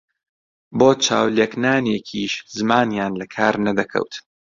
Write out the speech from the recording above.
بۆ چاو لێکنانێکیش زمانیان لە کار نەدەکەوت